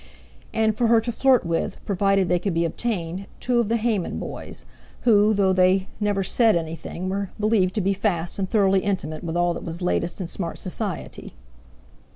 and for her to flirt with, provided they could be obtained, two of the Hayman boys, who, though they never said anything, were believed to be fast and thoroughly intimate with all that was latest in smart Society.